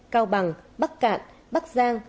cao bằng bắc cạn bắc giang